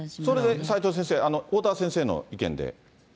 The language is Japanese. それで齋藤先生、おおたわ先生の意見で？